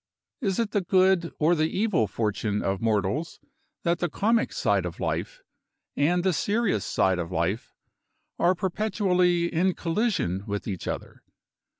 Is it the good or the evil fortune of mortals that the comic side of life, and the serious side of life, are perpetually in collision with each other?